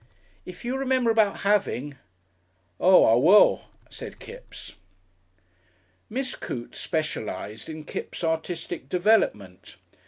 "If you remember about having." "Oo I will," said Kipps. Miss Coote specialised in Kipps' artistic development.